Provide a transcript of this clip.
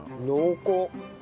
濃厚！